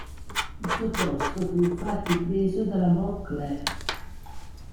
Il suo posto fu infatti preso dalla Montclair.